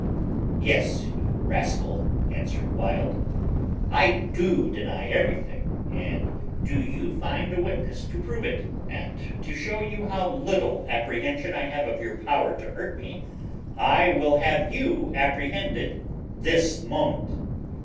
"Yes, you rascal," answered Wild, "I do deny everything; and do you find a witness to prove it: and, to shew you how little apprehension I have of your power to hurt me, I will have you apprehended this moment."